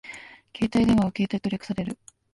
携帯電話はケータイと略される